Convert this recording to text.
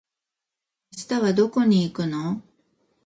明日はどこに行くの？